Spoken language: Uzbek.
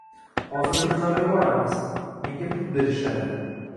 Xozir bir joyga boramiz, menga pul berishadi.